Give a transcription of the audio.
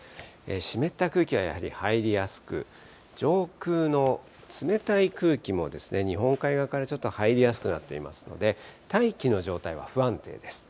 湿った空気はやはり入りやすく、上空の冷たい空気も、日本海側からちょっと入りやすくなっていますので、大気の状態は不安定です。